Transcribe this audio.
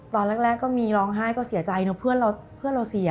ตอนแรกก็มีร้องไห้ก็เสียใจเนอะเพื่อนเราเสีย